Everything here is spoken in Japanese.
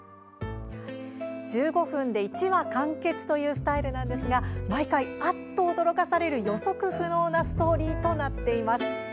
１５分で１話完結というスタイルですが毎回、あっと驚かされる予測不能なストーリーとなっています。